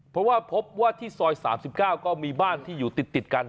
เพราะว่าพบว่าที่ซอย๓๙ก็มีบ้านที่อยู่ติดกัน